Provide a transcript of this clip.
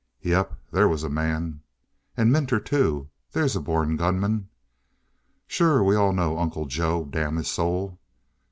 "Yep. There was a man!" "And Minter, too. There's a born gunman." "Sure. We all know Uncle Joe damn his soul!"